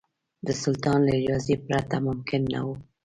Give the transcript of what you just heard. د سلطان له اجازې پرته ممکن نه وو.